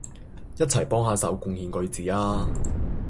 一齊幫下手貢獻句子吖